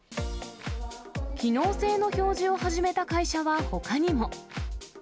機能性の表示を始めた会社はほかにも。